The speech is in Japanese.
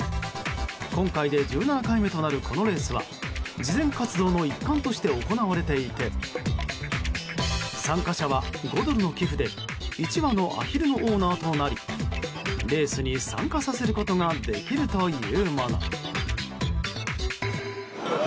今回で１７回目となるこのレースは慈善活動の一環として行われていて参加者は５ドルの寄付で１羽のアヒルのオーナーとなりレースに参加させることができるというもの。